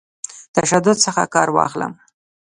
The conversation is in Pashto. تشدد څخه کار واخلم.